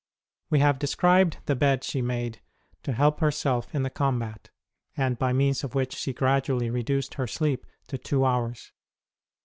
We have described the bed she made to help herself in the combat, and by means of which she gradually reduced her sleep to two hours.